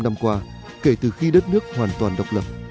bảy mươi năm năm qua kể từ khi đất nước hoàn toàn độc lập